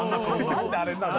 何であれになるの？